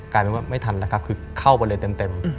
กลายเป็นว่าไม่ทันแล้วครับคือเข้าไปเลยเต็ม